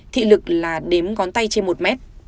thị lực là đếm ngón tay trên một mét